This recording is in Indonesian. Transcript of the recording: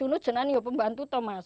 itu jenak nih pembantu tau mas